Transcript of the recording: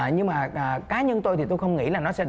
nhưng mà cá nhân tôi thì tôi không nghĩ là nó sẽ đổ về nước